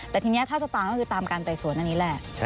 แต่ทีนี้ถ้าจะตามก็คือตามการไต่สวนอันนี้แหละ